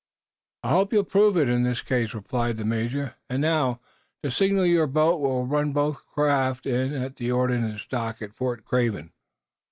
"I hope you'll prove it, in this case," replied the major. "And now, to signal your boat. We'll run both craft in at the ordnance dock at Fort Craven."